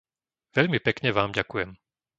Veľmi pekne vám ďakujem.